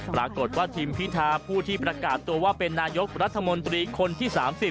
ปรากฏว่าทีมพิธาผู้ที่ประกาศตัวว่าเป็นนายกรัฐมนตรีคนที่๓๐